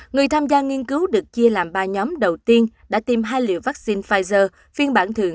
người tham gia nghiên cứu được chia làm ba nhóm đầu tiên đã tìm hai liều vaccine pfizer phiên bản thử